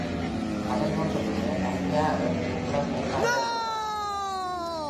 "பதின்மூன்றுக்கு மேல், ஐயா" என்று குழந்தை பதிலளித்தது.